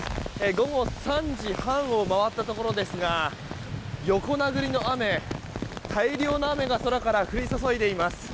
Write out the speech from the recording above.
午後３時半を回ったところですが横殴りの雨、大量の雨が空から降り注いでいます。